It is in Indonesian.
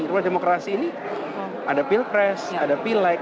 karena demokrasi ini ada pilpres ada pilek